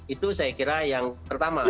itu saya kira yang pertama